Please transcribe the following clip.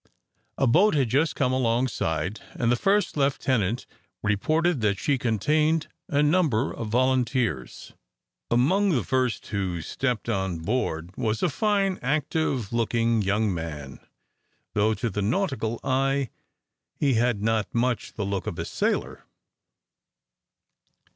A boat had just come alongside, and the first lieutenant reported that she contained a number of volunteers. Among the first who stepped on board was a fine, active looking young man, though, to the nautical eye, he had not much the look of a sailor.